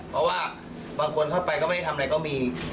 เพราะว่าบางคนเข้าไปก็ไม่ได้ทำอะไรก็มี